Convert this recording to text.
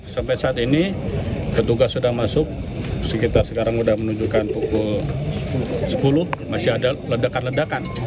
sampai saat ini petugas sudah masuk sekitar sekarang sudah menunjukkan pukul sepuluh masih ada ledakan ledakan